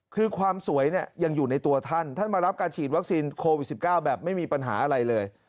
คือความสวยเนี่ยยังอยู่ในตัวท่านท่านมารับการฉีดวัคซีนโควิด๑๙แบบไม่มีปัญหาอะไรเลย